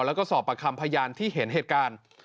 แล้วก็สอบประคำพยานที่เห็นเหตุการณ์